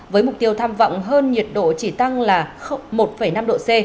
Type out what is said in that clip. với mục tiêu tham vọng hơn nhiệt độ chỉ tăng là một năm độ c